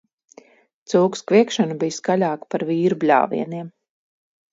Cūkas kviekšana bija skaļāka par vīru bļāvieniem.